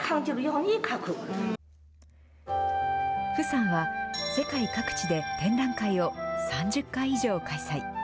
傅さんは、世界各地で展覧会を３０回以上開催。